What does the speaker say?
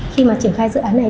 khi mà triển khai dự án này